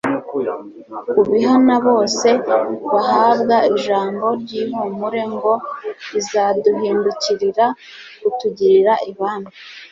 Ku bihana bose bahabwa ijambo ry'ihumure ngo: «Izaduhindukirira kutugirira ibambe,